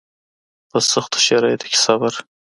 په سختو شرایطو کې صبر